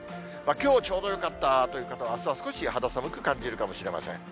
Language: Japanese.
きょうちょうどよかったという方は、あすは少し肌寒く感じるかもしれません。